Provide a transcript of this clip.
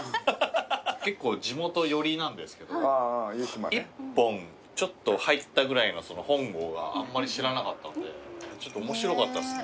結構地元寄りなんですけど一本入ったぐらいの本郷はあんまり知らなかったんでちょっと面白かったですね。